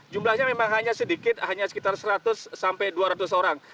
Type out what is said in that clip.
jumlahnya memang hanya sedikit hanya sekitar seratus sampai dua ratus orang